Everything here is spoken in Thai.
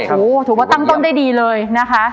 โอ้โหถือว่าตั้งต้นได้ดีเลยนะคะ